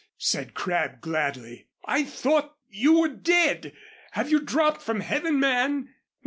said Crabb, gladly. "I thought that you were dead. Have you dropped from heaven, man?"